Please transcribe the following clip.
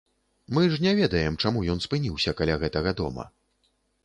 Мы ж не ведаем, чаму ён спыніўся каля гэтага дома.